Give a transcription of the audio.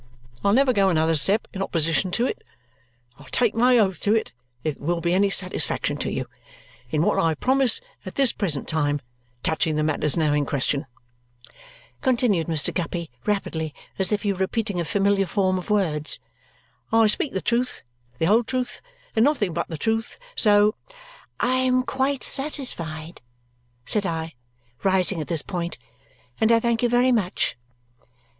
I'll never go another step in opposition to it. I'll take my oath to it if it will be any satisfaction to you. In what I promise at this present time touching the matters now in question," continued Mr. Guppy rapidly, as if he were repeating a familiar form of words, "I speak the truth, the whole truth, and nothing but the truth, so " "I am quite satisfied," said I, rising at this point, "and I thank you very much.